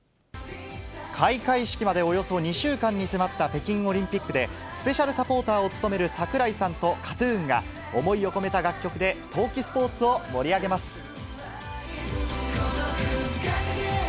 開会式までおよそ２週間に迫った北京オリンピックで、スペシャルサポーターを務める櫻井さんとＫＡＴーＴＵＮが、思いを込めた楽曲で冬季スポーツを盛り上げます。